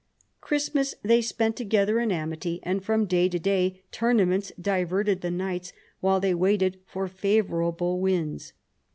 Christmas they spent together in amity, and from day to day tournaments diverted the knights while they waited for favourable winds.